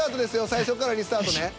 最初からリスタートね。